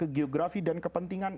geografi dan kepentingan